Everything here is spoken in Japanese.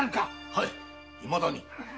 はいいまだに。